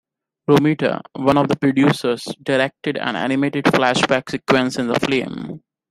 Romita, one of the producers, directed an animated flashback sequence in the film.